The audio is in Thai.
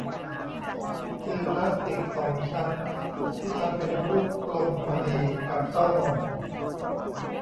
คือพลาสติกสองชั้นที่ทำเป็นรูปกลมพอดีกับเต้านม